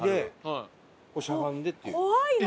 怖いな。